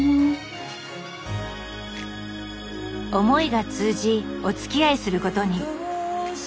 思いが通じおつきあいすることに。